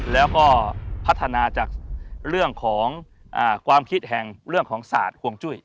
แล้วก็พัฒนาจากเรื่องของความคิดแห่งเรื่องของศาสตร์ห่วงจุ้ย